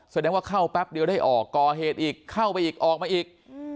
แสดงว่าเข้าแป๊บเดียวได้ออกก่อเหตุอีกเข้าไปอีกออกมาอีก